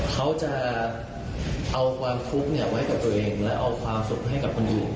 เขาจะเอาความทุกข์ไว้กับตัวเองและเอาความสุขให้กับคนอื่น